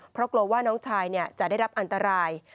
เพราะโกรธว่าน้องชายเนี่ยจะได้รับอันตราย